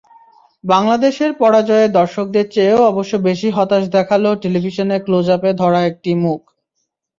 বাংলাদেশের পরাজয়ে দর্শকদের চেয়েও অবশ্য বেশি হতাশ দেখাল টেলিভিশনে ক্লোজআপে ধরা একটি মুখ।